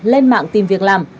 lên mạng tìm việc làm